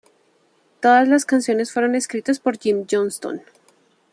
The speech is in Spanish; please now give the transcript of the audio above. Todas las canciones fueron escritas por Jim Johnston.